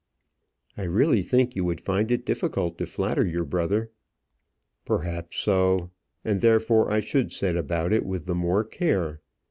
"I really think you would find it difficult to flatter your brother." "Perhaps so; and therefore I should set about it with the more care.